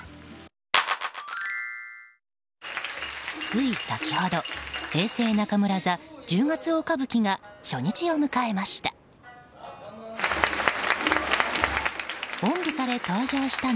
つい先ほど「平成中村座十月大歌舞伎」が初日を迎えました。